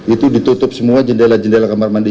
itu ditutup semua jendela jendela kamar mandi